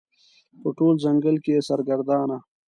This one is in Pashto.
په ټول ځنګل کې یې سرګردانه